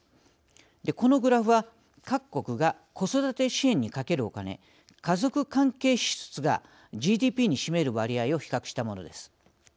このグラフは各国が子育て支援にかけるお金家族関係支出がＧＤＰに占める割合を比較したものです。